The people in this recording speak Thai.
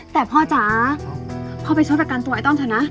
แต่พ่อจ๋าพ่อไปช่วยประกันตัวไอ้ต้อมเถอะนะ